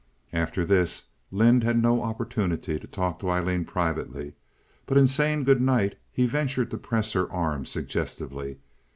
After this Lynde had no opportunity to talk to Aileen privately; but in saying good night he ventured to press her arm suggestively.